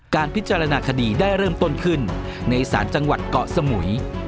การพิจารณาคดีได้เริ่มต้นขึ้นในศาลจังหวัดเกาะสมุย